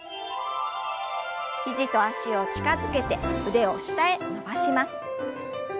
肘と脚を近づけて腕を下へ伸ばします。